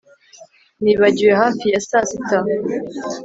Nibagiwe hafi ya sasita